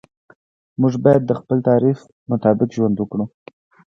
موږ باید د خپل تعریف مطابق ژوند وکړو.